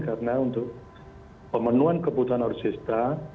karena untuk pemenuhan kebutuhan rupesista